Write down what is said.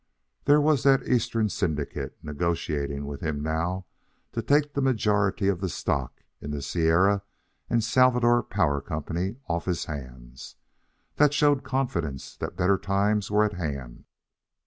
There was that Eastern syndicate, negotiating with him now to take the majority of the stock in the Sierra and Salvador Power Company off his hands. That showed confidence that better times were at hand.